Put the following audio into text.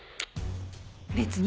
「別に。